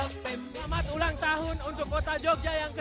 selamat ulang tahun untuk kota jogja yang ke dua ratus enam puluh dua